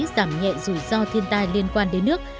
giảm nhẹ rủi ro thiên tai liên quan đến nước